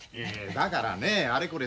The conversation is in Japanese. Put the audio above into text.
だからねあれこれ